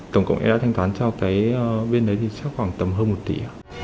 tổng cộng em đã thanh toán cho cái bên đấy thì chắc khoảng tầm hơn một tỷ